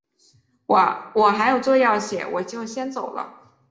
我还有作业要写，我就先走了。